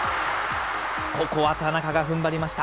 ここは田中がふんばりました。